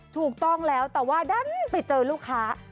ถูกต้องแล้วแต่ว่าดันไปเจอลูกค้า